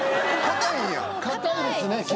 硬いですね毛。